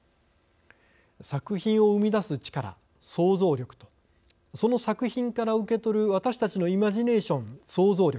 作品を生み出す力創造力とその作品から受けとる私たちのイマジネーション想像力。